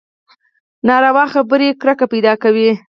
ناوړه خبرې کرکه پیدا کوي